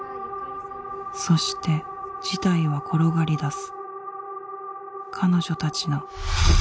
そして事態は転がりだす。